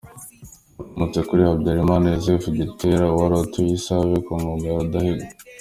Wakomotse kuri Habyarimana Yozefu Gitera wari utuye i Save ku ngoma ya Rudahigwa.